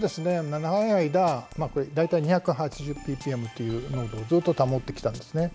長い間大体２８０ｐｐｍという濃度をずっと保ってきたんですね。